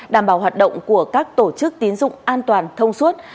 đảm bảo hoạt động của các tổ chức tín dụng an toàn thông suốt